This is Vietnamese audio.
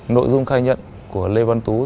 nội dung khai nhận của lê văn tú